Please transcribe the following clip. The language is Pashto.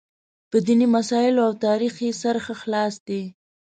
په دیني مسایلو او تاریخ یې سر ښه خلاص دی.